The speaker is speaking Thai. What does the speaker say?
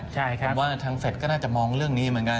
ผมว่าทางเฟสก็น่าจะมองเรื่องนี้เหมือนกัน